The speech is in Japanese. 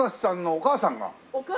お母さんが。